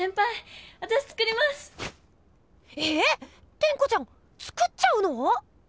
⁉テンコちゃん作っちゃうの？